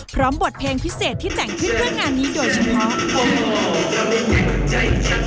พร้อมบทเพลงพิเศษที่แต่งขึ้นเพื่อนงานนี้โดยเฉพาะ